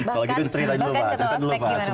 kalau gitu cerita juga